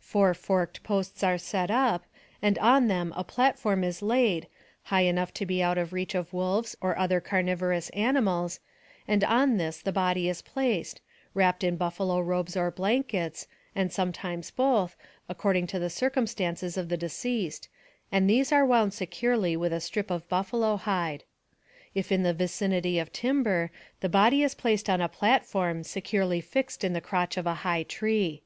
Four forked posts are set up, and on them a platform is laid, high enough to be out of reach of wolves or other carniverous animals, and on this the body is placed, wrapped in buffalo robes or blankets, and some times both, according to the circumstances of the de ceased, and these are wound securely with a strip of buffalo hide. If in the vicinity of timber, the body is placed on a platform, securely fixed in the crotch of a high tree.